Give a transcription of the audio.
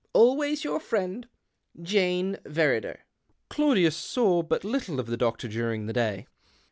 " Always your friend, " Jane Verrider." Claudius saw but little of the doctor during the day.